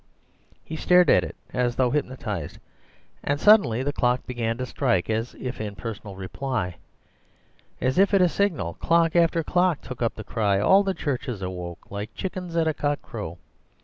He stared at it as though hypnotized; and suddenly the clock began to strike, as if in personal reply. As if at a signal, clock after clock took up the cry: all the churches awoke like chickens at cockcrow.